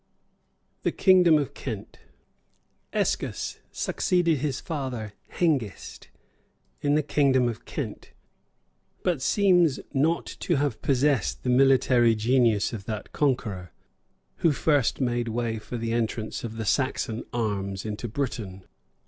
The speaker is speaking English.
[* Milton in Kennet, p. 50] THE KINGDOM OF KENT Escus succeeded his father, Hengist, in the kingdom of Kent; but seems not to have possessed the military genius of that conqueror, who first made way for the entrance of the Saxon arms into Britain.